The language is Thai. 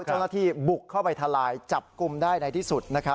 เจ้าหน้าที่บุกเข้าไปทลายจับกลุ่มได้ในที่สุด